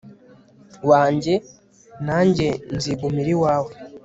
wanjye; nanjye nzigumira iwawe